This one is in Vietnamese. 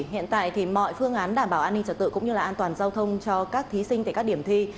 hiện tại thì mọi phương án đảm bảo an ninh trật tự cũng như là an toàn giao thông cho các thí sinh tại các điểm thi